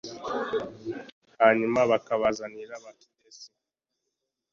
hanyuma bakabazanira bakidesi